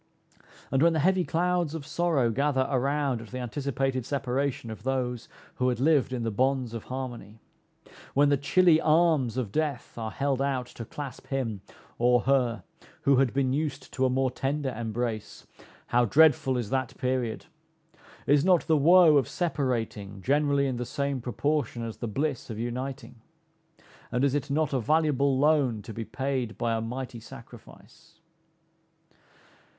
And when the heavy clouds of sorrow gather around at the anticipated separation of those who had lived in the bonds of harmony when the chilly arms of death are held out to clasp him, or her, who had been used to a more tender embrace, how dreadful is that period! Is not the woe of separating generally in the same proportion as the bliss of uniting? And is it not a valuable loan to be paid by a mighty sacrifice?